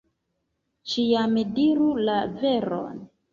Ĉiam diru la veron!